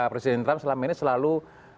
presiden trump selama ini selalu